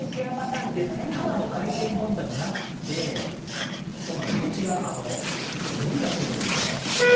ただの海鮮丼じゃなくて、こちら、のりがついているんですよね。